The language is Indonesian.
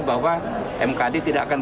bahwa mkd tidak akan